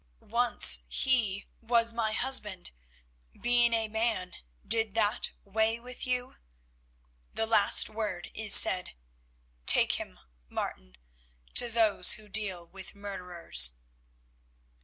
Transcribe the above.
"Once he was my husband, being a man did that weigh with you? The last word is said. Take him, Martin, to those who deal with murderers."